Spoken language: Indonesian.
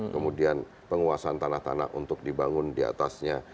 kemudian penguasaan tanah tanah untuk dibangun di atasnya